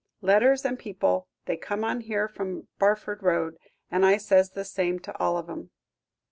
Letters and people they come on here from Barford Road, and I says the same to all of 'em."